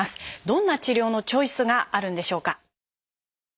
どんな治療のチョイスがあるんでしょうか。